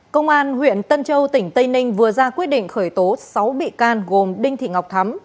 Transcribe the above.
công an huyện tân châu tỉnh tây ninh vừa ra quyết định khởi tố sáu bị can gồm đinh thị ngọc thắm